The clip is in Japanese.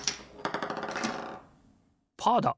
パーだ！